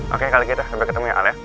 oke kali gitu ya sampai ketemu ya al ya